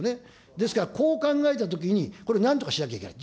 ですからこう考えたときにこれなんとかしなきゃいけない。